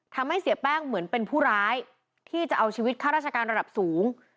ทำให้เสียแป้งเหมือนเป็นผู้ร้ายที่จะเอาชีวิตข้าราชการระดับสูง